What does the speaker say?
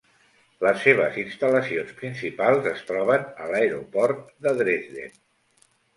Les seves instal·lacions principals es troben a l'Aeroport de Dresden.